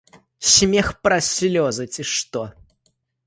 Смех праз слёзы, ці што.